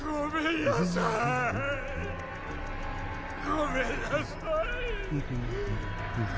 （粟坂ごめんなさい！